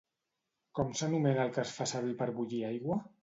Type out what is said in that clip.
Com s'anomena el que es fa servir per bullir aigua?